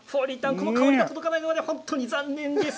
この香りが届かないのが本当に残念です。